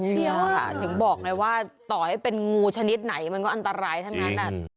เดียวค่ะถึงบอกไงว่าต่อให้เป็นงูชนิดไหนมันก็อันตรายทั้งนั้น